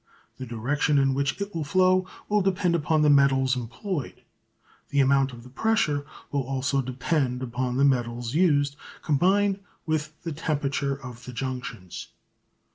The direction in which it will flow will depend upon the metals employed. The amount of the pressure will also depend upon the metals used, combined with the temperature of the junctions.